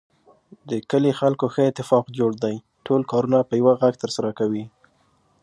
د کلي خلکو ښه اتفاق جوړ دی. ټول کارونه په یوه غږ ترسره کوي.